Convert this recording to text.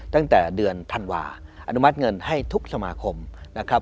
ตั้งแต่เดือนธันวาอนุมัติเงินให้ทุกสมาคมนะครับ